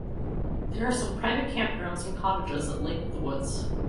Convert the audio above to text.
There are some private campgrounds and cottages at Lake-of-the-Woods.